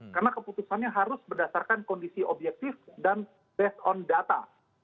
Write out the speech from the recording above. karena keputusannya harus berdasarkan kondisi objektif dan based on data